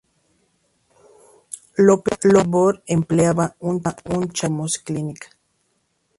López Ibor empleaba un chalet como clínica.